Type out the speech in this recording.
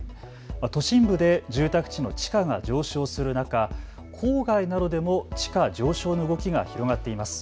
都心部で住宅地の地価が上昇する中、郊外などでも地価上昇の動きが広がっています。